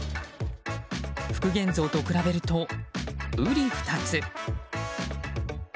復元像と比べると、うり二つ。